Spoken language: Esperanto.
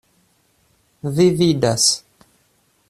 Vi vidas!